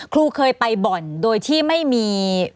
ครูเคยไปบ่อนโดยที่ไม่มี